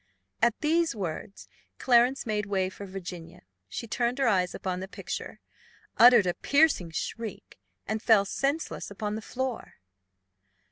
At these words Clarence made way for Virginia: she turned her eyes upon the picture, uttered a piercing shriek, and fell senseless upon the floor.